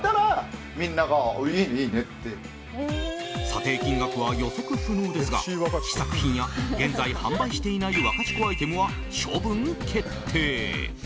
査定金額は予測不能ですが試作品や現在販売していないワカチコアイテムは処分決定。